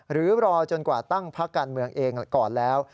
หรือรอจนกว่าตั้งพักการเมืองเองก่อนแล้ว